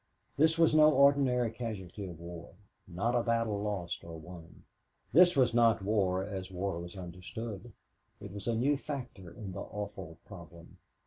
This was no ordinary casualty of war not a battle lost or won. This was not war, as war was understood. It was a new factor in the awful problem.